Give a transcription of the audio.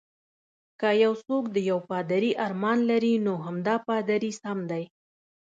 که څوک د یو پادري ارمان لري، نو همدا پادري سم دی.